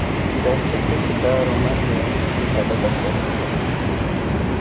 cancer کے شکار Roman Reigns کی حالت اب کیسی ہے